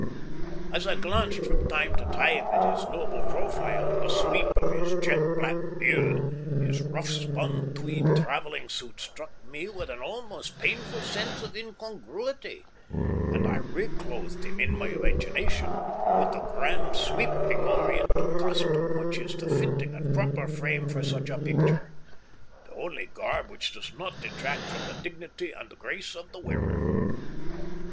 As I glanced from time to time at his noble profile and the sweep of his jet black beard, his rough spun tweed travelling suit struck me with an almost painful sense of incongruity, and I re clothed him in my imagination with the grand, sweeping Oriental costume which is the fitting and proper frame for such a picture the only garb which does not detract from the dignity and grace of the wearer.